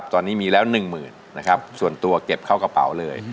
ตอนนี้มีแล้ว๑หมื่นส่วนตัวเก็บเข้ากระเป๋าเลย